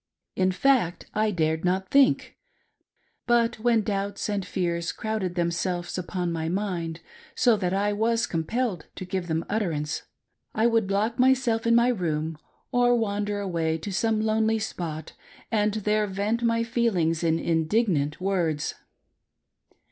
In fact, I dared not think ; but when doubts and fears crowded themselves upon my mind, so that I was compelled to give them utterance, I would lock myself in my room or wander away to some lonely spot and there vent my feelings in indignant words.